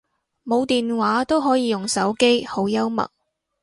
冇電話都可以用手機，好幽默